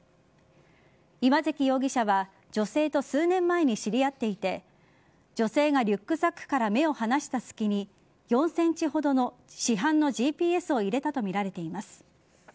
今関容疑者は女性と数年前に知り合っていて女性がリュックサックから目を離した隙に４センチほどの市販のＧＰＳを入れたとみられています。